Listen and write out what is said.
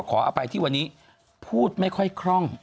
ขออภัยที่วันนี้พูดไม่ค่อยคล่อง